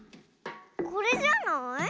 これじゃない？